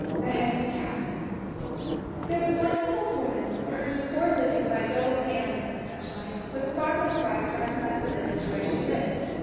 The Hedley Kow There was once an old woman, who earned a poor living by going errands and such like, for the farmers' wives round about the village where she lived.